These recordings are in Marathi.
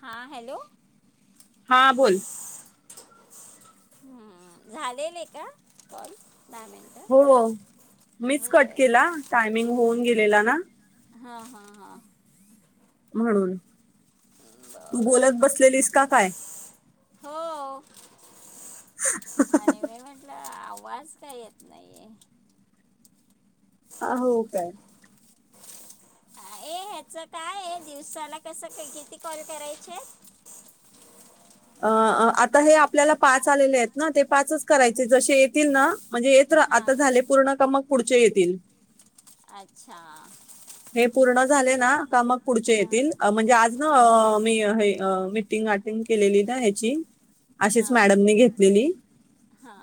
हां, हॅलो. हा, बोल. [inaudible] हम्म, झालेले का, कॉल? दहा मिन हो, मीच कट केला. टायमिंग होऊन गेलेला ना. हा, हा, हा. म्हणून. तू बरं बोलत बसलेलीस का, काय? हो. [inaudible] [inaudible] आणि मी म्हटलं, आवाज का येत नाही? हा, हो का? ए, ह्याचं कायेय, दिवसाला कसं, किती कॉल करायचे? अ, अ आता हे आपल्याला पाच आलेलेयत ना, ते पाच करायचे. जसे येतील ना, म्हणजे येत तर हां आता झाले पूर्ण का, मग पुढचे येतील. अच्छा. [inaudible] हे पूर्ण झाले ना, का मग पुढचे हां येतील. म्हणजे आज आ मी हे अ मीटिंग अटेंड केलेली ना, ह्याची. अशीच मॅडमनी घेतलेली. हा.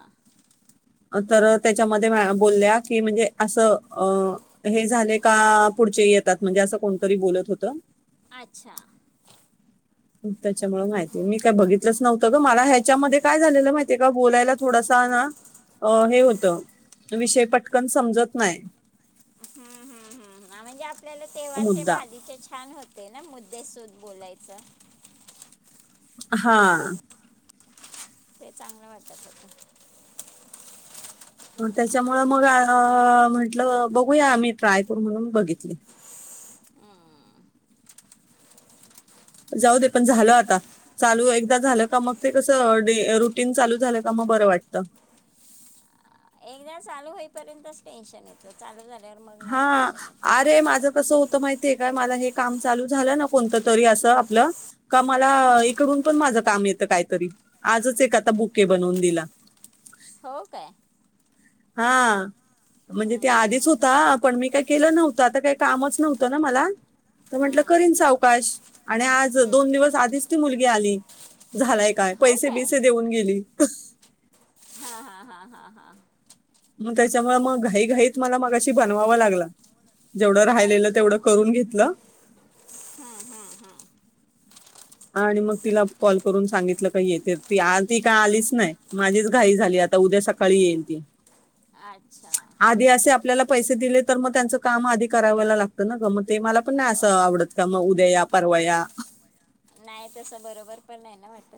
तर त्याच्यामध्ये मॅ बोलल्या की, म्हणजे असं अ हे झाले का, पुढचे येतात. म्हणजे असं कोणतरी बोलत होतं. आच्छा. त्याच्यामुळे माहितीय. मी काय बघितलंच नव्हतं ग. मला ह्याच्यामध्ये, काय झालेलं माहितीय का? बोलायला थोडासा ना अ हे होतं. विषय पटकन समजत नाय. हम्म, हम्, हम्म, हम. म्हणजे, आपल्याला तेव्हाचे मुद्दा भाजीचे छान होते ना, मुद्देसोध बोलायचं. हां. ते चांगलं वाटत होतं. त्याच्यामूळं मग आ म्हंटलं बघूया, आमी ट्राय करू म्हणून, बघितली. हम्म. जाऊ दे, पण झालं आता. चालू एकदा झालं का? मग ते कसं डे रुटीन चालू झालं का? मग बरं वाटतं. एकदा चालू होईपर्यंतच टेन्शन येतं. चालू झाल्यावर मग नाही टेन्शन येत. ते माझं कसं होत माहितीये काय? मला हे काम चालू झालं ना, कोणतं तरी. असं आपलं का मला, इकडून पण माझं काम येतं काहीतरी. आजच एक आता बुके बनवून दिला. हो, काय. हा. म्हणजे ते आधीच हम्म होता, पण मी काय केलं नव्हतं. आता काही कामच नव्हतं ना, मला. तर म्हंटलं हम्म करीन सावकाश. आणि आज, दोन दिवस आधीच ती मुलगी आली. झालाय काय? पैसे बिसे देऊन गेली. [inaudible] हा, हा, हा, हा, हा. मग त्याच्यामुळे, मग घाईघाईत मला मगाशी बनवावं लागलं. अच्छा. घेतलं. [inaudible] हम्म, हम्म, हम्. आणि मग तिला कॉल करून सांगितलं, का येते? ती- ती काय आलीच नाही. माझीच घाई झाली. आता उद्या सकाळी येईल ती. अच्छा. आधी असे आपल्याला पैसे दिले तर मग त्यांच काम आधी करावायला लागतं ना ग मग ते मला पण नाही हो असं आवडत. म उदया या परवा या. नाही तस बरोबर पण आहे ना वाटत.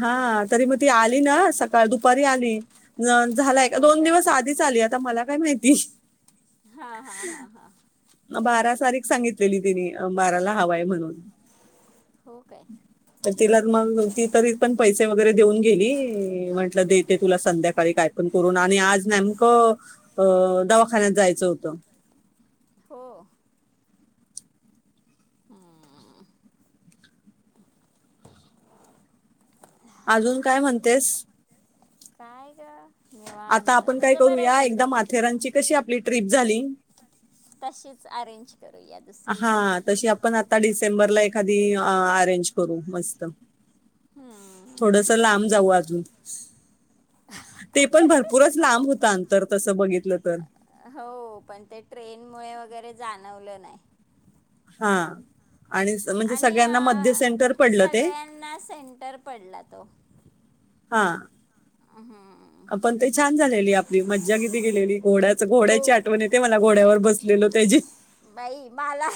हा तरी मग ती आली ना सकाळ दुपारी आली न. झालाय का हो दोन काय दिवस आधीच आली आता मला काय माहिती. हा-हा-हा-हा बारा तारीख सांगितलेली तिनी बाराला हवाय म्हणून. हो काय. तर तिला मग ती तरी पण पैसे वगैरे देऊन गेली म्हटलं देते तुला संध्याकाळी काय पण करून आणि आज नाही हो अ दवाखान्यात जायचं होतं. हो. हम्म. अजून काय म्हणतेस? काय ग निवां आता आपण काय करूया एकदा माथेरानची कशी आपली ट्रीप झाली. तशीच अरेंज करूयात. हा तशी आपण आता डिसेंबरला एखादी अरेंज करू मस्त. हम्मं. थोडस लांब जाऊ अजून. ते पण भरपूरच लांब होत अंतर तसं बघितलं तर. हो पण ते ट्रेनमुळे वगैरे जाणवलं नाही. हा आणि म्हणजे सगळ्यांना मध्य सेंटर पडलं ते. ना सेंटर पडला तो. हा. अ हम्म. आपण ते छान झालेली आपली मज्जा किती केलेली घोड्याच घोड्याची खूप आठवण येते मला घोड्यावर बसलेलो त्याची. बाई मला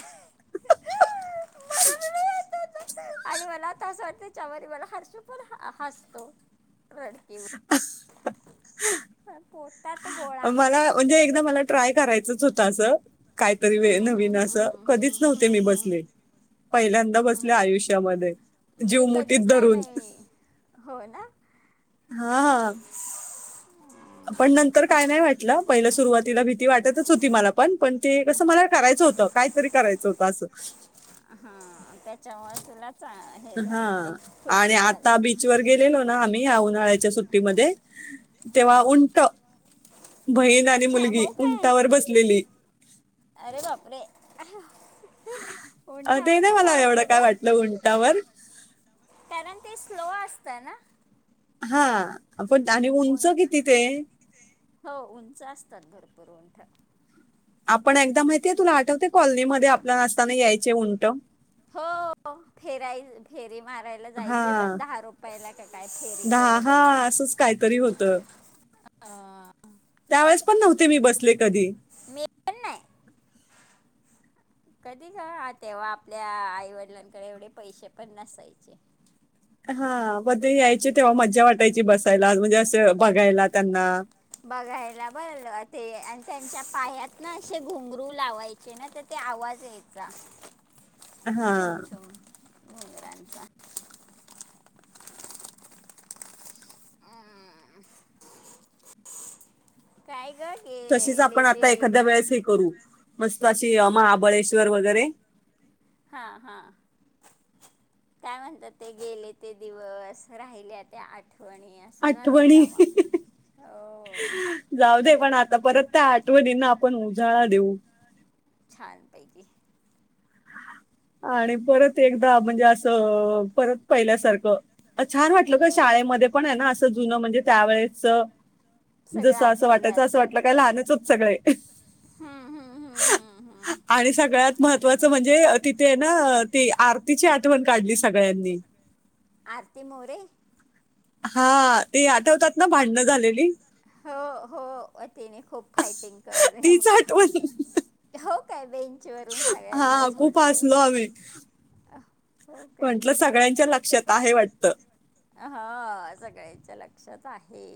मला बी नाही आठवत. आणि मला आता असं वाटत चवररी मला हर्ष पण ह हसतो रडकीवर [unintelligible] ह पोटात गोळा मला म्हणजे एकदा मला ट्राय करायचंच होतं असं. काही तरी वे हम्म, नवीन हम्म, हम्म, असं हम्म, कधीच हम्म, नव्हते मी हम्म, बसले. हम्म. पहिल्यांदा बसले आयुष्यामध्ये जीव मी मुठीत कधीच नाही धरून. बाई हो ना. हा-हा पण नंतर काय नाही वाटलं पहिलं सुरुवातीला भीती वाटतच होती मला पण-पण ते कसं मला करायचं होतं. कायतरी करायचं होतं असं. हा त्याच्यामुळे तुलाच हे झालं ते हा आणि खुशी झाली. आता बीचवर गेलेलो ना आम्ही या उन्हाळ्याच्या सुट्टीमध्ये तेव्हा हां उंट बहीण आणि अच्छा मुलगी हो काय उंटावर बसलेली. अरे बापरे उंठावर कस वाटत ग. टावर कारण ते स्लो असतं ना. हा पण आणि उंच उं किती ते. हो उंच असतात भरपूर उंट. आपण एकदा माहितीय तुला आठवते कॉलनी मध्ये आपल्याला नसताना यायचे उंट. हो फेराईल ''--'' फेरी मारायला हा जायची बस दहा रुपयाला का काय फेरी का दहा आहे दोन रुपये. हा असंच काहीतरी होतं हा. त्यावेळेस पण नव्हते मी बसले कधी. मी पण नाही कधी ग तेव्हा आपल्या आईवडिलांकडे एवढे पैसे पण नसायचे. हा मध्ये यायचे तेव्हा मज्जा वाटायची बसायला म्हणजे असं बघायला त्यांना. बघायला बर ते आणि त्यांच्या पायात ना असे घुंगरू लावाय ''--'' ना तर ते आवाज यायचा हा छुम-छुम घुंगरांचा. हम्म. काय ग. तशीच गेले आपण ते आता दि एखाद्या वेळेस हे करू मस्त अशी महाबळेश्वर वगैरे. हा हा. काय म्हणतात ते गेले ते दिवस राहिले त्या आठवणी. असं झालंय आठवणी काम आपलं. जाऊ दे पण आता परत त्या आठवणींना आपण उजाळा देऊ. छान पैकी. आणि परत एकदा म्हणजे असं परत पहिल्यासारखं. पण छान वाटल का हम्म शाळेमध्ये पण आहे ना असं जुन म्हणजे त्यावेेळेच. सगळं जसं असं आठवलं वाटायचं असं असेल वाटलं काय लहानच हो ''--'' सगळे हम्म हम्म हम्म हम्म हम्म आणि सगळ्यात महत्वाचं म्हणजे. तिथे ना ती आरतीची आठवण काढली सगळ्यांनी. आरती मोरे. हा ते आठवतात ना भांडणं झालेली. हो हो, तनी खूप फाईटिंग करल. तीच आठवण हो काय बेंच वून सगळ्यांना हा खूप झोडले. हसलो आम्ही अ हो काय. म्हटलं सगळ्यांच्या लक्षात आहे वाटतं. हा सगळ्यांच्या लक्षात आहे.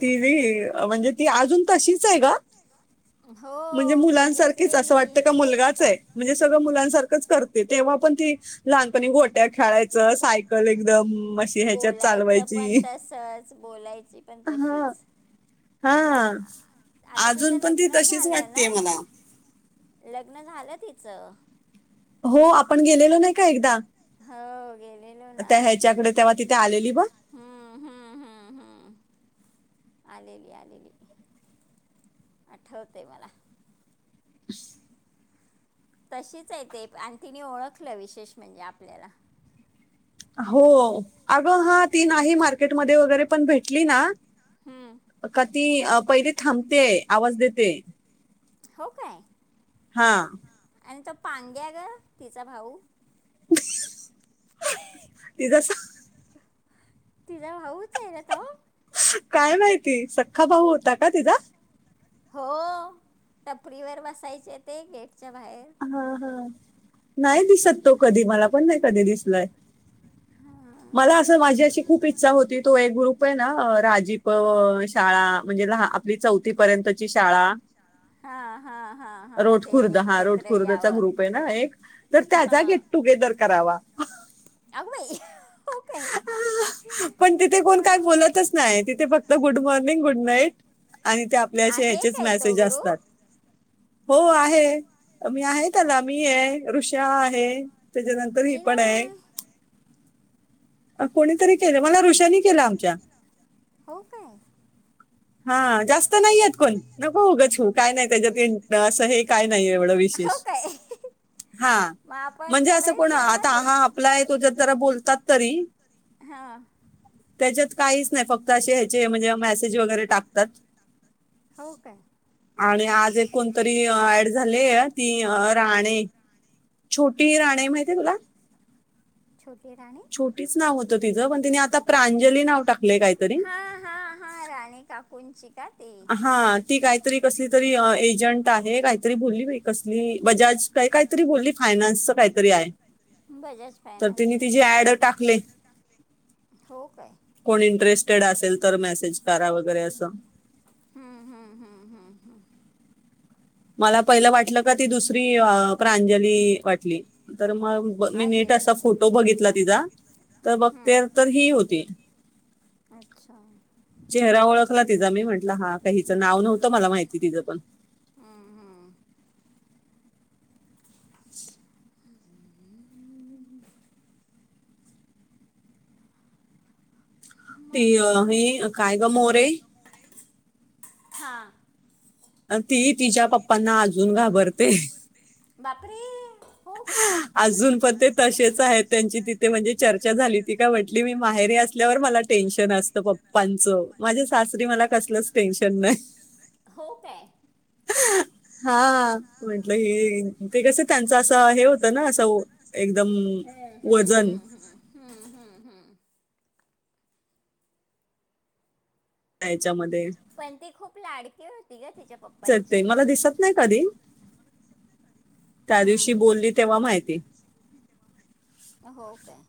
ती व्ही म्हणजे ती अजून. तशीच आहे ग म्हणजे हो, मुलांसारखीच असं बघितलेली. वाटतं का मुलगाच आहे. म्हणजे सगळं मुलांसारखंच करते तेव्हा पण ते लहानपणी गोट ''--'' ट्या खेळायचं सायकल एकदम अशी ह्याच्यात चालवायची. सहच बोलायची पण हा तशीच. हा आ आता अजून तिचं पण ती लग्न तशीच झालं ना. वाटते मला लग्न झालं तिचं. हो आपण गेलेलो नाही का एकदा हो, गेलेलो ना. त्या ह्याच्याकडे तेव्हा तिथे आलेली बग. [unintelligible] ह आलेली आलेली आठवतें आहे मला. [inaudible] तशीच आहे ते आणि तिने ओळखलं विशेष म्हणजे आपल्याला. हो अगं हा ती नाही मार्केटमध्ये वगैरे पण भेटली ना. हम. का ती अ पहिले थांबतेय आवाज देते. हो काय हा आणि तो पांग्या ग तिचा भाऊ तिज सा तिजा भाऊच आहे ना तो काय माहिती सख्खा भाऊ होता का तिचा हो टपरीवर बसायचे ते गेटच्या बाहेर हा हा नाही दिसत तो कधी मला क दि हा मला अस माझी खूप इचछा होती तो ग ना राजी प शाळा म्हणजे ल. आपली चौथी पर्यंतची शाळा, हा हा हा हा रोटखुर्द त्यांनी हा रोट एकत्र यावं ग्रुप ना एक तर त्याचा गेट टुगेदर करावा. अगबाई पण तिथे कोण हा काय हा बोलतच नाही, तिथे फक् तर गुड मॉर्निंग गुड नाईट आणि ते आपल्या असे आहे ह्याचेच काय तो मेसेज असतात. ग्रुप हो आहे मी आहे त्याला मी आहे ऋषा आहे. त्याच्यानंतर हि मी पण हे. नाही कोणीतरी केलं मला ऋषानी केलं आमच्या हो काय हा जास्त नाहीय आहेत कोण नको उगच यू काय नाही त्याच्यात असं हे काय नाही एवढं विशेष हो काय हा मग आपण म्हणजे असं कोण करायचं ना आता ते हा आपला आहे तो जत जरा बोलतात तरी हा त्याच्यात काहीच नाही. फक्त असे ह्याचे म्हणजे मेसेज वगैरे टाकतात. हो काय आणि आज एक कोणतरी ऍड झालिये ती राणे छोटी राणे, माहिती आहे तुला? छोटी राणी छोटीच नाव होतं तिचं, पण तिने आता प्रांजली नाव टाकले काहीतरी हा हा हा राणे काकुंची का ती हा, ती काहीतरी कसली तरी एजंट आहे. काहीतरी बोलली बाई कसली बजाज काय काहीतरी बोलली फायनान्सच काहीतरी आहे. बजाज तर तिने फायनान्समध्ये तिचीे असेल ऍड टाकले. हो काय. कोण इंटरेस्टेड असेल तर मेसेज करा वगैरे असं. हम्म हम्म हम्म हम्म हम्म मला पहिलं वाटलं का ती दुसरी प्रांजली वाटली. तर मग मी आहे नीट रे असा फोटो बघितला तिचा, तर बघते हम्म तर ही होती. अच्छा चेहरा ओळखला तिचा मी म्हटल हा का हीचं नाव नव्हतं मला माहिती तिचं पण. हम् हम् [inaudible] [unintelligible] हम्म ती ही काय ग मोरे हां ती तिच्या पप्पांना अजून घाबरते. बापरे हो काय. अजून पण ते तसेच आहेत. त्यांची तिथे म्हणजे चर्चा झाली. ती काय म्हटली मी माहेरी असल्यावर मला टेन्शन असत पप्पांच. माझ्या सासरी मला कसलच टेन्शन नाही. हो काय. हा म्हटलं हे, ते कस त्यां ं हे होत ना असं एकदम हम्म हम्म वजन. हम्म हम्म हम्म हम्म याच्यामध्ये पण ती खूप लाडकी होती गं तिच्या पप्पा चं ते मला दिसत नाही कधी, त्या दिवशी हम्म बोलली तेव्हा माहिती. हो काय?